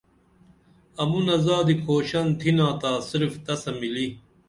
امونہ زادی کُھوشن تِھنا تا صرف تسہ ملی